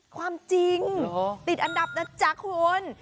ความจริงติดอันดับนะจ๊ะคุณ